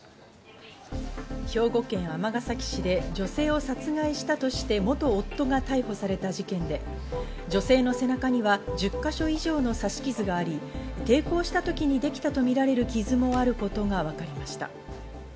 兵庫県尼崎市で女性を殺害したとして元夫が逮捕された事件で、女性の背中には１０か所以上の刺し傷があり、抵抗した時にできたとみられる傷もあることがわかりました。